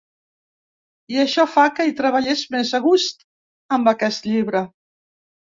I això fa que hi treballés més a gust, amb aquest llibre.